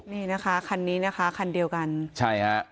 นี่นะคะคันนี้นะคะคันเดียวกันใช่ฮะ